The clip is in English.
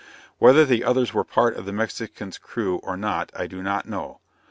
Whether the others were part of the Mexican's crew, or not, I do not know.